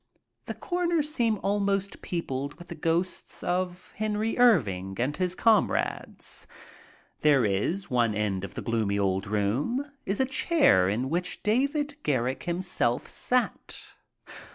The corners seem almost peopled with the ghosts of Henry Irving and his comrades. There is one end of the gloomy old room is a chair in which David Gar rick himself sat.